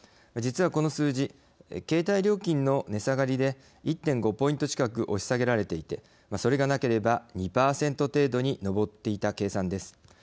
実は、この数字携帯料金の値下がりで１．５ポイント近く押し下げられていてそれがなければ２％程度に上っていた計算です。